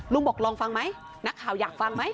ลุงบอกลองฟังมั้ยนักข่าวอยากฟังมั้ย